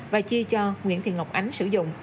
và chia cho nguyễn thị ngọc ánh sử dụng